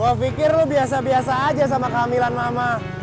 gue pikir lu biasa biasa aja sama kehamilan mama